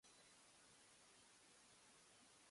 門真南駅